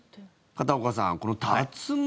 片岡さん、この竜巻。